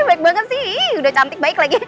baik banget sih udah cantik baik lagi